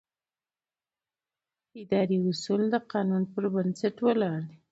اداري اصول د قانون پر بنسټ ولاړ دي.